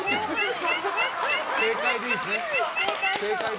正解でいいですね。